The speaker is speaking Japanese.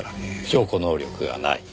証拠能力がない。